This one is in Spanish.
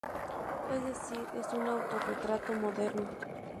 Es decir, es un autorretrato moderno.